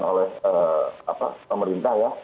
oleh pemerintah ya